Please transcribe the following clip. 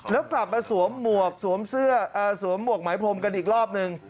แล้วกลับมาสวมหมวกสวมเสื้อสวมหมวกหมายพรมกันอีกรอบนึง